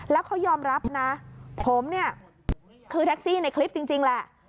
แล้วเขายอมรับนะผมเนี่ยคือแท็กซี่ในคลิปจริงแหละ